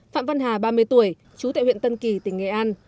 phạm văn hà ba mươi tuổi chú tại huyện tân kỳ tỉnh nghệ an